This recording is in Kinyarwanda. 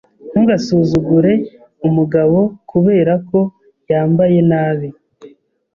Ntugasuzugure umugabo kubera ko yambaye nabi.